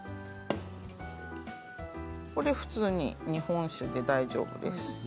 普通に日本酒で大丈夫です。